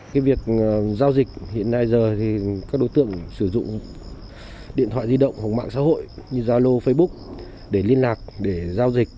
cái việc giao dịch hiện nay giờ thì các đối tượng sử dụng điện thoại di động hoặc mạng xã hội như zalo facebook để liên lạc để giao dịch